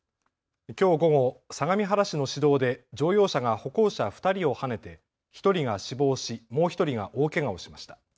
きょう午後、相模原市の市道で乗用車が歩行者２人をはねて１人が死亡し、もう１人が大けがをしました。